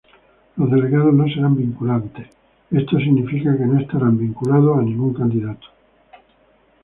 Los delegados no serán vinculados; Esto significa que no estará vinculado a ningún candidato.